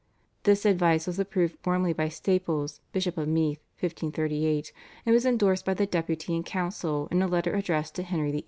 This advice was approved warmly by Staples, Bishop of Meath (1538), and was endorsed by the Deputy and council in a letter addressed to Henry VIII.